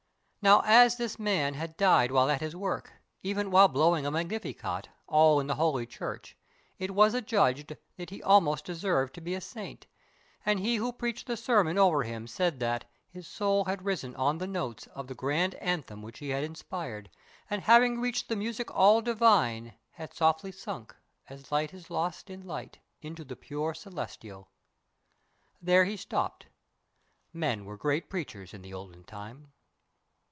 Now as this man had died while at his work, Even while blowing a Magnificat All in the holy church, it was adjudged That he almost deserved to be a saint. And he who preached the sermon over him Said that "his soul had risen on the notes Of the grand anthem which he had inspired, And having reached the Music all divine Had softly sunk, as light is lost in light, Into the pure Celestial." Here he stopped. Men were great preachers in the olden time.